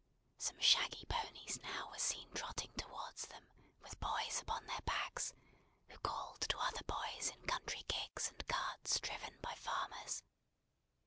Some shaggy ponies now were seen trotting towards them with boys upon their backs, who called to other boys in country gigs and carts, driven by farmers.